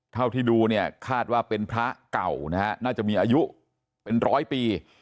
เท่าที่ดูเนี่ยคาดว่าเป็นพระเก่านะฮะน่าจะมีอายุเป็นร้อยปี